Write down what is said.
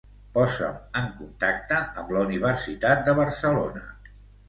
Posa'm en contacte amb la Universitat de Barcelona.